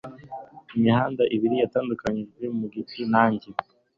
Imihanda ibiri yatandukanijwe mu giti nanjye